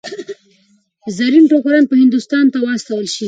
زرین ټوکران به هندوستان ته واستول شي.